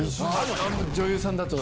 女優さんだと。